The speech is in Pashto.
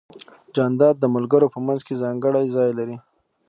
جانداد د ملګرو په منځ کې ځانګړی ځای لري.